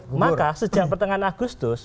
nah maka sejak pertengahan agustus